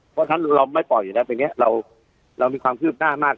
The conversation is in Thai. เพราะฉะนั้นเราไม่ปล่อยอยู่แบบนี้เราเรามีความคืบหน้ามาก